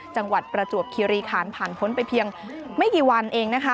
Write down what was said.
ประจวบคิริขันผ่านพ้นไปเพียงไม่กี่วันเองนะคะ